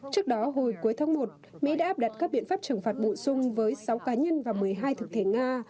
trước đó hồi cuối tháng một mỹ đã áp đặt các biện pháp trừng phạt bổ sung với sáu cá nhân và một mươi hai thực thể nga